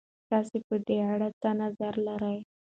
تاسې په دې اړه څه نظر لرئ؟